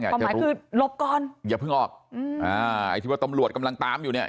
ความหมายคือหลบก่อนอย่าเพิ่งออกอืมอ่าไอ้ที่ว่าตำรวจกำลังตามอยู่เนี่ย